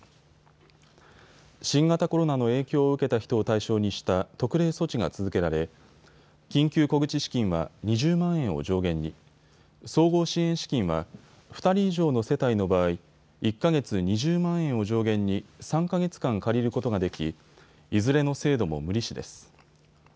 新型コロナの影響を受けた人を対象にした特例措置が続けられ緊急小口資金は２０万円を上限に、総合支援資金は２人以上の世帯の場合、１か月２０万円を上限に３か月間借りることができいずれの制度も無利子です。